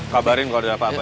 kabarin kalau ada apa apa